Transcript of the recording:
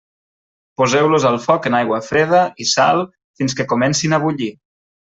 Poseu-los al foc en aigua freda i sal fins que comencin a bullir.